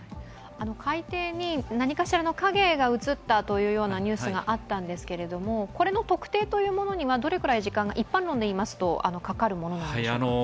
海底に何かしらの影が映ったというニュースがあったんですがこれの特定というものには一般論でどのくらい時間がかかるものなんでしょうか。